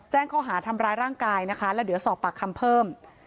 ข้อหาทำร้ายร่างกายนะคะแล้วเดี๋ยวสอบปากคำเพิ่ม